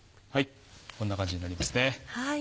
こんな感じになりますね。